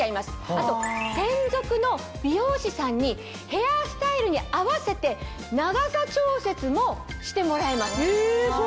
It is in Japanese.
あと専属の美容師さんにヘアスタイルに合わせて長さ調節もしてもらえます。